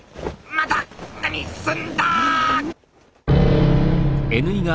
また何すんだ！